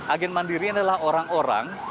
agen mandiri adalah orang orang